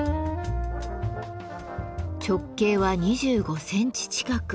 直径は２５センチ近く。